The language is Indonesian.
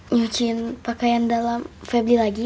nyuciin pakaian dalam febri lagi ya